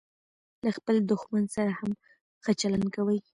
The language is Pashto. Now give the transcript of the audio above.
له خپل دوښمن سره هم ښه چلند کوئ!